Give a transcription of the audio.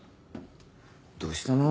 どうしたの？